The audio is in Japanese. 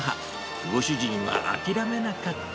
ご主人は諦めなかった。